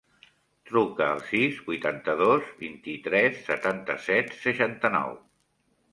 Truca al sis, vuitanta-dos, vint-i-tres, setanta-set, seixanta-nou.